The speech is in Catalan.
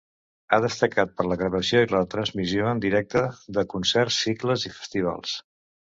Ha destacat per la gravació i la transmissió en directe de concerts, cicles i festivals.